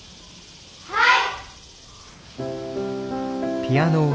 はい！